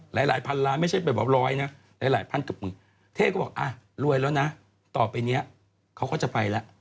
หลายพันล้านไม่ใช่แบบว่าร้อยนะหลายพันเกือบหมื่นเท่ก็บอกอ่ะรวยแล้วนะต่อไปนี้เขาก็จะไปแล้ว